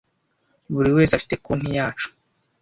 buri wese afite konti yacu